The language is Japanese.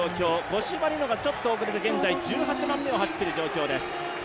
五島莉乃がちょっと遅れて現在１８番目を走っている状況です。